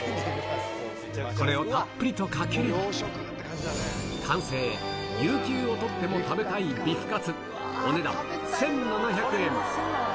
これをたっぷりとかけると、完成、有給を取っても食べたいビフカツ、お値段１７００円。